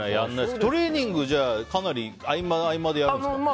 トレーニングは合間でやるんですか？